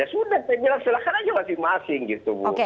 ya sudah saya bilang silahkan aja masing masing gitu bu